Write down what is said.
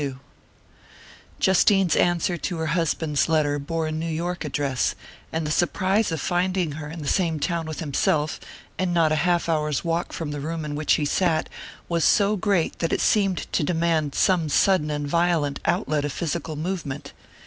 XLII JUSTINE'S answer to her husband's letter bore a New York address; and the surprise of finding her in the same town with himself, and not half an hour's walk from the room in which he sat, was so great that it seemed to demand some sudden and violent outlet of physical movement.